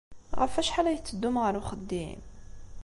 Ɣef wacḥal ay tetteddum ɣer uxeddim?